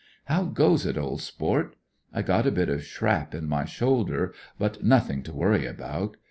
How goes it, old sport ? I £T0t a bit of shrap in my shoulder, but nothing to worry about.